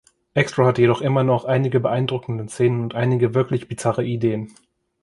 Xtro hat jedoch immer noch einige beeindruckende Szenen und einige wirklich bizarre Ideen.